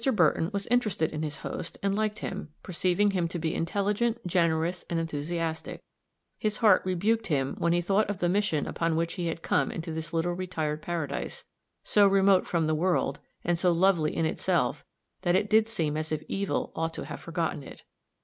Burton was interested in his host, and liked him, perceiving him to be intelligent, generous and enthusiastic; his heart rebuked him when he thought of the mission upon which he had come into this little retired Paradise, so remote from the world and so lovely in itself that it did seem as if evil ought to have forgotten it.